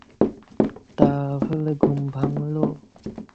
তাহলে ঘুম ভাঙ্গল!